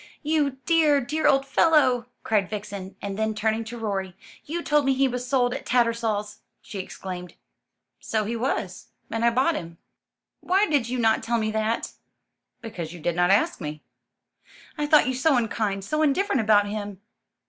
"You dear, dear old fellow!" cried Vixen; and then turning to Rorie: "You told me he was sold at Tattersall's!" she exclaimed. "So he was, and I bought him." "Why did you not tell me that?" "Because you did not ask me." "I thought you so unkind, so indifferent about him."